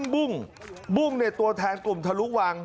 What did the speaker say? บุ้งบุ้งเนี่ยตัวแทนกลุ่มทะลุวัง